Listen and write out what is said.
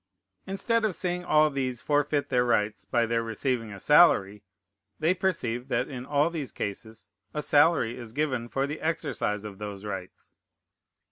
Instead of seeing all these forfeit their rights by their receiving a salary, they perceive that in all these cases a salary is given for the exercise of those rights.